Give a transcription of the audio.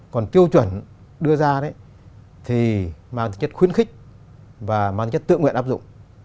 còn tiêu chuẩn đưa ra đấy thì mang tính chất khuyến khích và mang tính chất tự nguyện áp dụng